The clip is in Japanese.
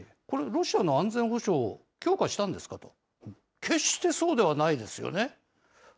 これ、ロシアの安全保障を強化したんですかと、決してそうではないですよね。